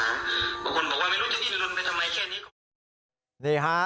คนบอกว่าไม่รู้ที่ที่จะลุนไปทำไมแค่นี้